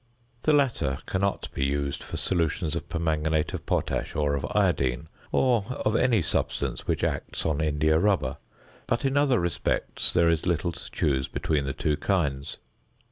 The latter cannot be used for solutions of permanganate of potash or of iodine, or of any substance which acts on india rubber; but in other respects there is little to choose between the two kinds.